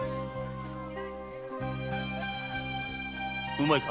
うまいか？